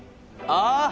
ああ！